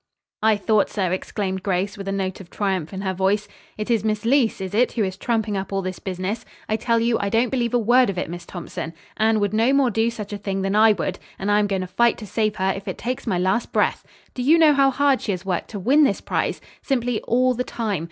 "I thought so," exclaimed Grace, with a note of triumph in her voice. "It is Miss Leece, is it, who is trumping up all this business? I tell you, I don't believe a word of it, Miss Thompson. Anne would no more do such a thing than I would, and I am going to fight to save her if it takes my last breath. Do you know how hard she has worked to win this prize? Simply all the time.